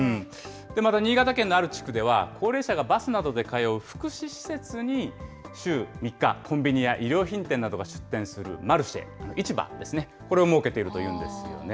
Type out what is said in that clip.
また新潟県のある地区では、高齢者がバスなどで通う福祉施設に週３日、コンビニや衣料品店などが出店するマルシェ・市場ですね、これを設けているというんですよね。